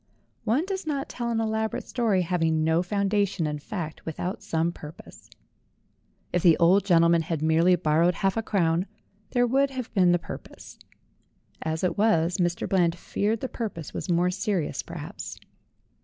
One does not tell an elaborate story having no foundation in fact without some purpose. If the old gentleman had merely borrowed half a crown, there would have been the purpose; as it was, Mr. Bland feared the purpose was more serious, perhaps.